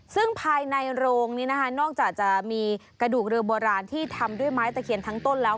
ซึ่งภายในโรงนี้นะคะนอกจากจะมีกระดูกเรือโบราณที่ทำด้วยไม้ตะเคียนทั้งต้นแล้ว